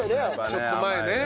ちょっと前ね。